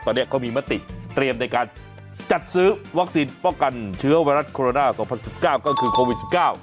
ตอนนี้เขามีมติเตรียมในการจัดซื้อวัคซีนป้องกันเชื้อไวรัสโคโรนา๒๐๑๙ก็คือโควิด๑๙